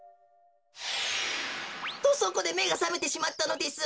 とそこでめがさめてしまったのです。